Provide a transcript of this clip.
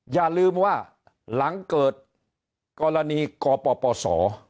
อย่าลืมว่าหลังเกิดกรณีกปปศ